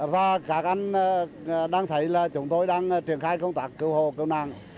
và các anh đang thấy là chúng tôi đang truyền khai công tác cứu hồ cứu nàng